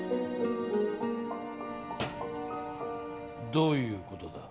どういうことだ？